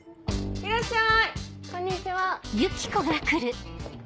いらっしゃい。